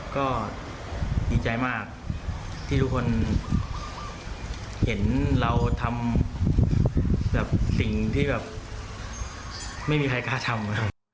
ก็ดีใจมากที่ทุกคนเห็นเราทำแบบสิ่งที่แบบไม่มีใครกล้าทำ